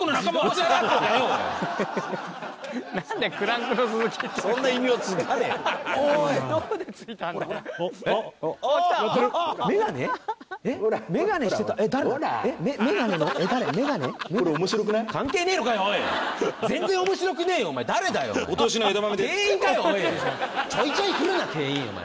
ちょいちょい来るな店員！